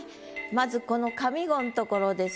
まずこの上五のところですね。